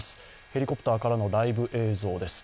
ヘリコプターからのライブ映像です。